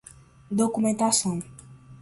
documentação